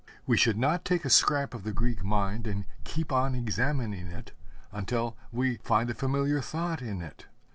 We should not take a scrap of the Greek mind and keep on examining it until we find a familiar thought in it.